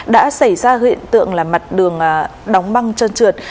đã xảy ra hiện tượng là mặt đường đóng băng trơn trượt